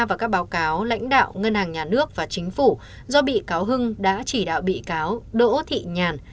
và các báo cáo lãnh đạo ngân hàng nhà nước và chính phủ do bị cáo hưng đã chỉ đạo bị cáo đỗ thị nhàn